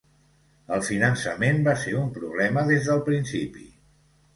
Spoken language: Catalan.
El finançament va ser un problema des del principi.